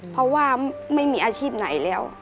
เพราะว่าไม่มีอาชีพไหนแล้ว